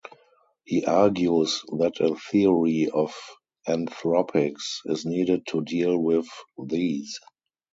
He argues that a theory of anthropics is needed to deal with these.